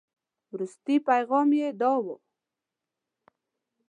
وروستي پيغام یې داو.